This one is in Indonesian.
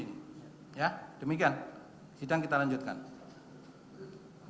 untuk persidangan selanjutnya untuk menghadirkan saksi polisi